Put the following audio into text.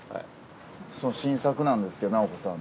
新作なんですけど直子さん。